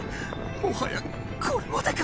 もはやこれまでか！